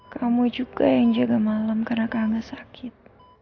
kamu juga yang jaga malam karena kagak sakit